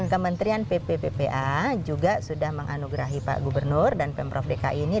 kementerian ppppa juga sudah menganugerahi pak gubernur dan pemprov dki ini